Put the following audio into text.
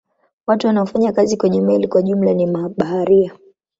Watu wanaofanya kazi kwenye meli kwa jumla ni mabaharia.